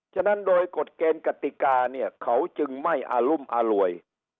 ฉะนั้นโดยกฎเกณฑ์กติกาเนี่ยเขาจึงไม่อารุมอร่วย